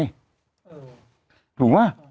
ถูกหรือว่ะ